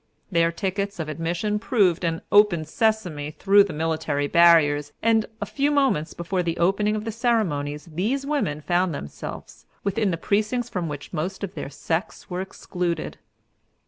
Their tickets of admission proved an "open sesame" through the military barriers, and, a few moments before the opening of the ceremonies, these women found themselves within the precincts from which most of their sex were excluded.